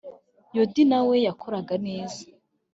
Yodi nawe yakoraga neza